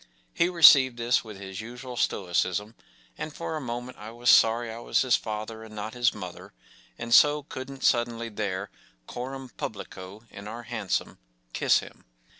” He received this with his usual stoicism, and for a moment I was sorry I was his father and not his mother, and so couldn’t suddenly there, coram publico , in our hansom, kiss him.